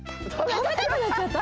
たべたくなっちゃった？